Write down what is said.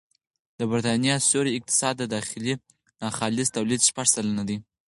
د بریتانیا سیوري اقتصاد د داخلي ناخالص توليد شپږ سلنه دی